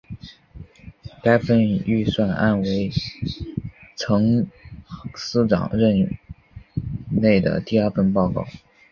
该份预算案为曾司长任内的第二份报告。